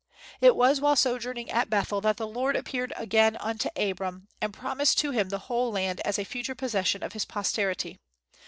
It was while sojourning at Bethel that the Lord appeared again unto Abram, and promised to him the whole land as a future possession of his posterity.